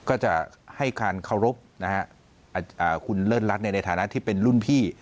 ก็จะให้การเคารพคุณเลิศรัฐในฐานะที่เป็นรุ่นพี่